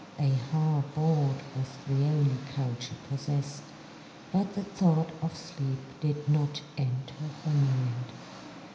A hard board was the only couch it possessed, but the thought of sleep did not enter her mind.